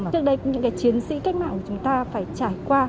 trước đây những cái chiến sĩ cách mạng của chúng ta phải trải qua